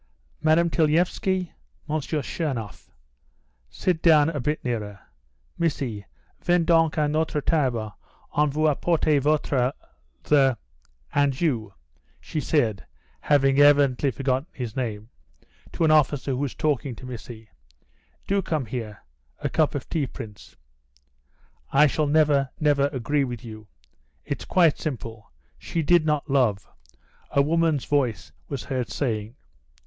Madam Tilyaevsky, M. Chernoff. Sit down a bit nearer. Missy vene donc a notre table on vous apportera votre the ... And you," she said, having evidently forgotten his name, to an officer who was talking to Missy, "do come here. A cup of tea, Prince?" "I shall never, never agree with you. It's quite simple; she did not love," a woman's voice was heard saying.